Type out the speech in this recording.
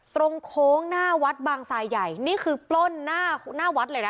โค้งหน้าวัดบางทรายใหญ่นี่คือปล้นหน้าหน้าวัดเลยนะ